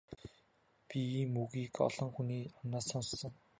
Би ийм үгийг олон хүний амнаас сонссон.